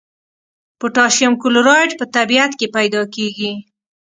پوتاشیم کلورایډ په طبیعت کې پیداکیږي.